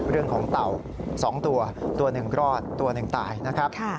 เต่า๒ตัวตัวหนึ่งรอดตัวหนึ่งตายนะครับ